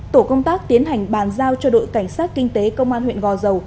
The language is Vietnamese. tổ công tác tiến hành bàn giao cho đội cảnh sát kinh tế công an huyện gò dầu